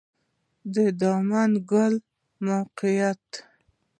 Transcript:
د دامن کلی موقعیت